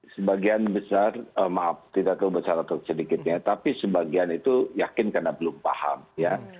sebagian besar maaf tidak terlalu besar atau sedikitnya tapi sebagian itu yakin karena belum paham ya